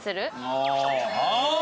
ああ！